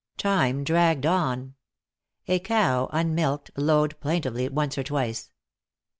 Time dragged on. A cow, unmilked, lowed plaintively once or twice.